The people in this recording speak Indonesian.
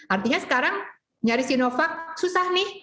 artinya sekarang nyari sinovac susah nih